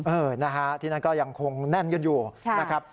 เออนะฮะที่นั่นก็ยังคงแน่นกันอยู่นะครับ